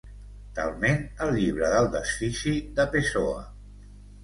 Talment el Llibre del desfici de Pessoa.